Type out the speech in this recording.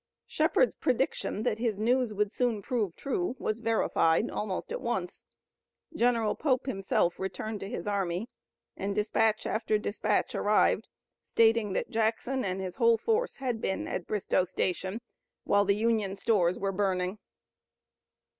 Shepard's prediction that his news would soon prove true was verified almost at once. General Pope himself returned to his army and dispatch after dispatch arrived stating that Jackson and his whole force had been at Bristoe Station while the Union stores were burning.